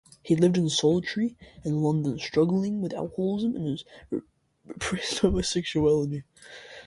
He lived a solitary life in London, struggling with alcoholism and his repressed homosexuality.